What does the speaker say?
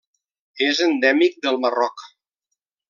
És endèmic del Marroc.